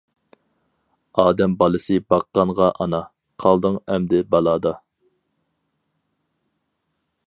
ئادەم بالىسى باققانغا ئانا، قالدىڭ ئەمدى بالادا.